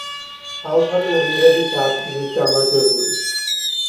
ქალთა ტურნირების ათგზის გამარჯვებული.